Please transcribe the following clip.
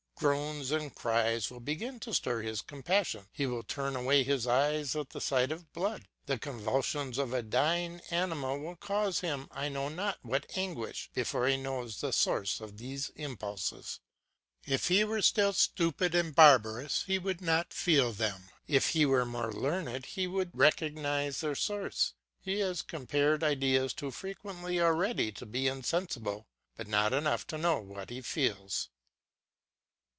Groans and cries will begin to stir his compassion, he will turn away his eyes at the sight of blood; the convulsions of a dying animal will cause him I know not what anguish before he knows the source of these impulses. If he were still stupid and barbarous he would not feel them; if he were more learned he would recognise their source; he has compared ideas too frequently already to be insensible, but not enough to know what he feels.